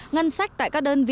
ngân sách tại các đơn vị